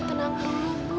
tenang dulu bu